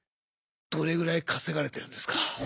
どれぐらい稼がれてるんですか？